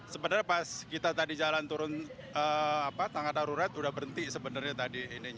sebenarnya pas kita tadi jalan turun tangga darurat sudah berhenti sebenarnya tadi ini